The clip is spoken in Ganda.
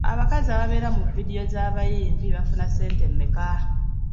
Abakazi ababeera mu vidiyo z'abayimbi bafuna ssente mmeka?